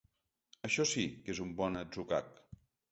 Això sí que és un bon atzucac.